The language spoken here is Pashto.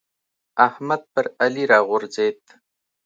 احمد پر علي راغورځېد.